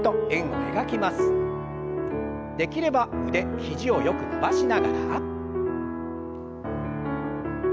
できれば腕肘をよく伸ばしながら。